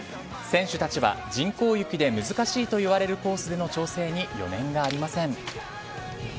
選手たちは人工雪で難しいといわれるコースでの調整に余念がありません。